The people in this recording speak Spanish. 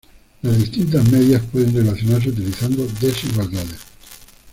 Las distintas medias pueden relacionarse utilizando desigualdades.